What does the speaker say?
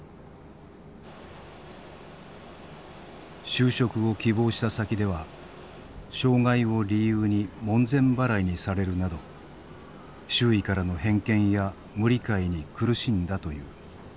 就職を希望した先では障害を理由に門前払いにされるなど周囲からの偏見や無理解に苦しんだという。